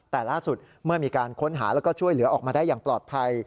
แต่ล่าสุดเมื่อมีการค้นหาแล้วก็ช่วยเหลือออกมาได้อย่างปลอดภัย